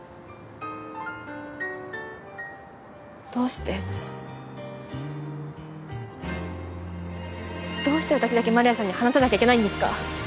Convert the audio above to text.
どうしてどうして私だけ丸谷さんに話さなきゃいけないんですか？